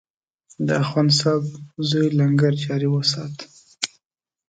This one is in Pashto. د اخندصاحب زوی لنګر جاري وسات.